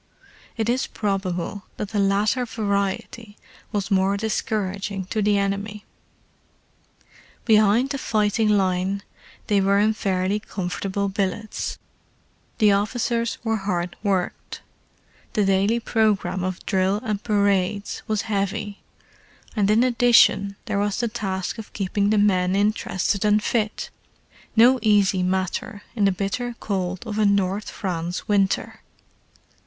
It is probable that the latter variety was more discouraging to the enemy. Behind the fighting line they were in fairly comfortable billets. The officers were hardworked: the daily programme of drill and parades was heavy, and in addition there was the task of keeping the men interested and fit: no easy matter in the bitter cold of a North France winter.